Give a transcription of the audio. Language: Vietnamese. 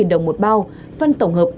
bốn trăm chín mươi đồng một bao phân tổng hợp